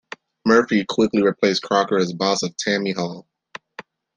Murphy quickly replaced Croker as Boss of Tammany Hall.